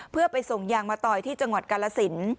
เพื่อไปส่งยางมะตอยที่จังหวัดกาลสิน